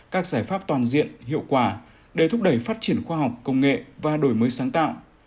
các giải pháp toàn diện hiệu quả để thúc đẩy phát triển khoa học công nghệ và đổi mới sáng tạo